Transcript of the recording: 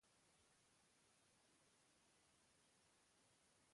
Kotxea aparkatu behar dut.